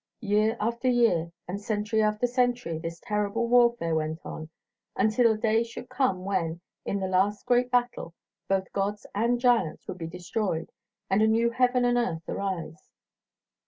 Year after year and century after century this terrible warfare went on until a day should come when, in a last great battle, both gods and giants would be destroyed and a new heaven and earth arise.